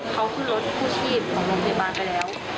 เขาขึ้นรถกู้ชีพของโรงพยาบาลไปแล้ว